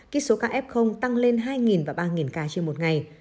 kích số kf tăng lên hai và ba ca trên một ngày